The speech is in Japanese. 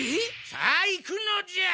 さあ行くのじゃ！